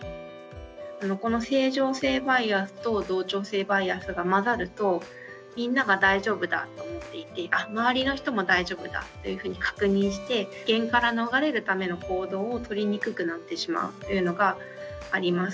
この正常性バイアスと同調性バイアスが混ざるとみんなが大丈夫だと思っていてあっ周りの人も大丈夫だというふうに確認して危険から逃れるための行動をとりにくくなってしまうというのがあります。